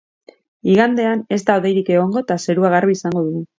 Igandean ez da hodeirik egongo eta zerua garbi izango dugu.